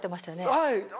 はい。